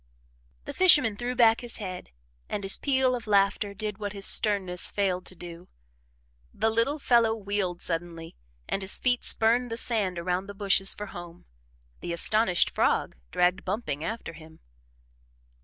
The fisherman threw back his head, and his peal of laughter did what his sternness failed to do. The little fellow wheeled suddenly, and his feet spurned the sand around the bushes for home the astonished frog dragged bumping after him.